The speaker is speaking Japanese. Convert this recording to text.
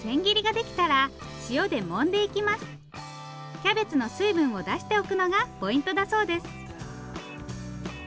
キャベツの水分を出しておくのがポイントだそうです